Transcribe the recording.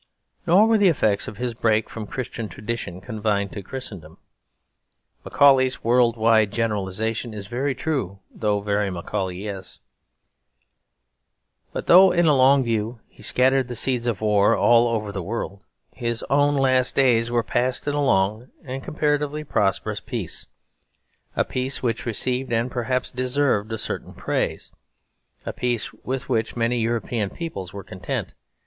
Nor were the effects of his break from Christian tradition confined to Christendom; Macaulay's world wide generalisation is very true though very Macaulayese. But though, in a long view, he scattered the seeds of war all over the world, his own last days were passed in a long and comparatively prosperous peace; a peace which received and perhaps deserved a certain praise: a peace with which many European peoples were content.